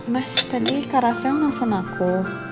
mas tadi kak rafael nelfon aku